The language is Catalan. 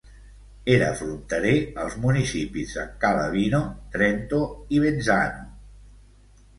Era fronterer als municipis de Calavino, Trento i Vezzano.